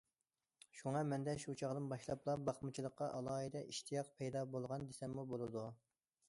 شۇڭا مەندە شۇ چاغدىن باشلاپلا باقمىچىلىققا ئالاھىدە ئىشتىياق پەيدا بولغان دېسەممۇ بولىدۇ.